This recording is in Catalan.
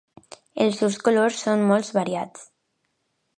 Els seus colors són molt variats.